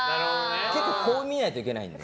結構、こう見ないといけないんで。